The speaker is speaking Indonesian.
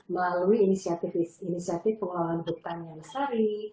melalui inisiatif pengelolaan hutan yang seri